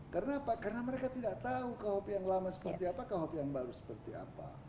karena mereka tidak tahu rkuhp yang lama seperti apa rkuhp yang baru seperti apa